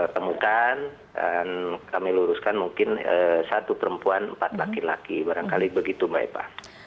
temukan dan kami luruskan mungkin satu perempuan empat laki laki barangkali begitu mbak eva